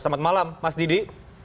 selamat malam mas didi